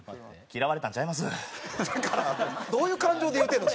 だからどういう感情で言うてんの？